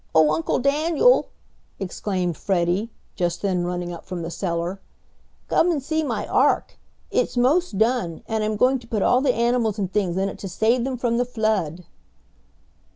"Oh, Uncle Daniel!" exclaimed Freddie, just then running up from the cellar. "Come and see my ark! It's most done, and I'm going to put all the animals and things in it to save them from the flood."